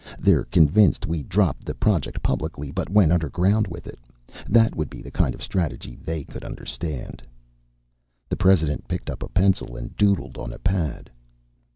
They're convinced we dropped the project publicly, but went underground with it. That would be the kind of strategy they could understand." The President picked up a pencil and doodled on a pad.